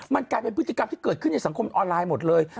มันกลายเป็นพฤติกรรมที่เกิดขึ้นในสังคมออนไลน์หมดเลย